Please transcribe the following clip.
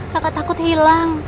kakak takut hilang